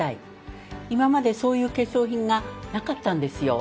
今までそういう化粧品がなかったんですよ。